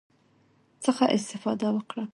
څخه استفاده وکړم،